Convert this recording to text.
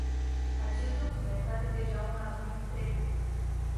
Acest document are deja un anumit trecut.